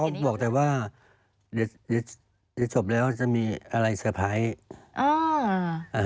เขาบอกแต่ว่าเดี๋ยวจบแล้วจะมีอะไรเซอร์ไพรส์